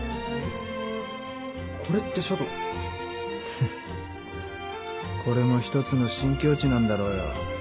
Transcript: フッこれも一つの新境地なんだろうよ。